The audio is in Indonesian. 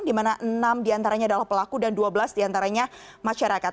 di mana enam diantaranya adalah pelaku dan dua belas diantaranya masyarakat